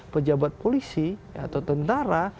pejabat polisi atau tentara